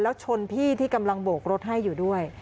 แล้วชนพี่ที่กำลังโบกรถให้อยู่ด้วย